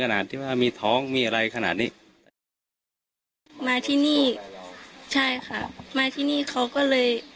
ขนาดที่ว่ามีท้องมีอะไรขนาดนี้มาที่นี่ใช่ค่ะมาที่นี่เขาก็เลย